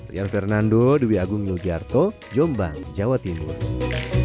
durian bisa menyebabkan gangguan pencernaan hingga meningkatkan risiko diabetes